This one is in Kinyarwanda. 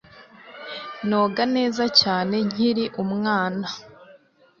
Noga neza cyane nkiri umwana